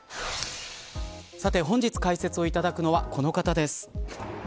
さて、本日解説をいただくのはこの方です。